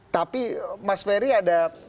tapi mas ferry ada